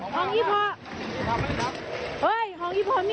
พี่เบนถ่าพอดสิ